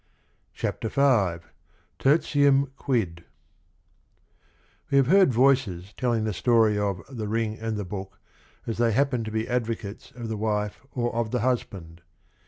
CHAPTER V TERTIUM QUID We hav e heard voices tellin g the story of The Rin g and the Bo ok as they happen ed to be ad vocates of the wife or of the husband!